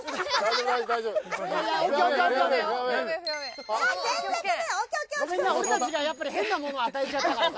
ごめんな俺たちがやっぱり変なものを与えちゃったからさ。